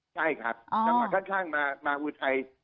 ใช่ครับจังหวะข้างมาอุทัย